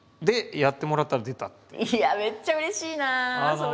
いやめっちゃうれしいなそれ。